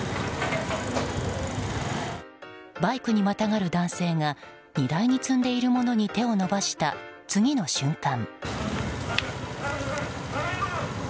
バイクにまたがる男性が荷台に積んでいるものに手を伸ばした次の瞬間。